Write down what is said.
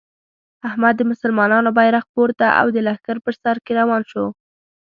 احمد د مسلمانانو بیرغ پورته او د لښکر په سر کې روان شو.